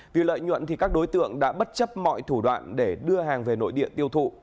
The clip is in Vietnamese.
vì lợi nhuận thì các đối tượng đã bất chấp mọi thủ đoạn để đưa hàng về nội địa tiêu thụ